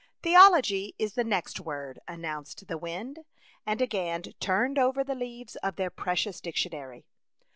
"Theology is the next word/' an nounced the wind, and again turned over the leaves of their precious dic tionary.